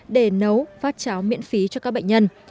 để nấu phát cháo miễn phí cho các bệnh nhân